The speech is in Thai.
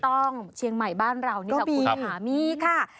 ไม่ต้องเชียงใหม่บ้านเรานี่ครับคุณผู้ชมมีค่ะ